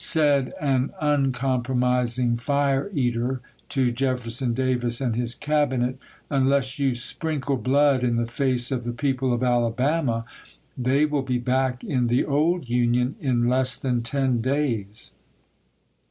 Said an uncompromising fire eater to Jefferson Davis and his Cabinet, "unless McPher you sprinkle blood in the face of the people of toTyo/the Alabama, they will be back in the old Union in pp. ii2°ii3. less than ten days."